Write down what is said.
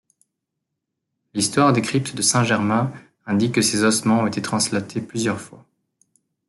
L'histoire des cryptes de Saint-Germain indique que ses ossements ont été translatés plusieurs fois.